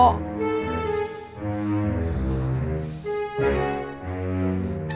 kamu jangan diem aja